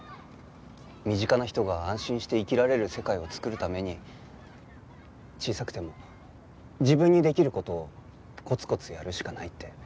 身近な人が安心して生きられる世界を作るために小さくても自分にできる事をコツコツやるしかないって。